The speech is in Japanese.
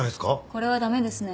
これは駄目ですね。